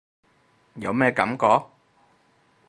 有咩感覺？